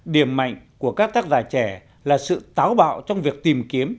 điểm mạnh của các tác giả trẻ là sự táo bạo trong việc tìm kiếm